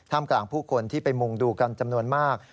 กลางผู้คนที่ไปมุงดูกันจำนวนมาก